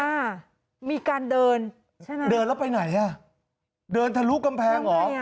อ่ามีการเดินใช่ไหมเดินแล้วไปไหนอ่ะเดินทะลุกำแพงเหรอ